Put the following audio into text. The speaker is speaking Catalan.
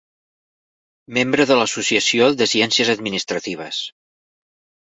Membre de l'Associació de Ciències Administratives.